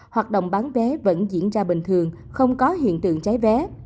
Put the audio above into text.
hoạt động bán vé vẫn diễn ra bình thường không có hiện tượng cháy vé